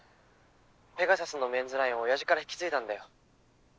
ペガサスのメンズラインを親父から引き継いだんだよ。